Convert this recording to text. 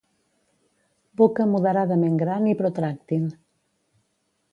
Boca moderadament gran i protràctil.